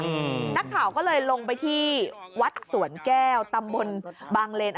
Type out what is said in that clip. นักข่าวก็เลยลงไปที่วัดสวนแก้วตำบลบางเลน